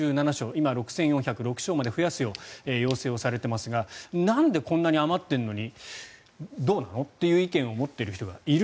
今、６４０６床まで増やすように要請をされていますがなんでこんなに余っているのにどうなの？っていう意見を持っている人がいる。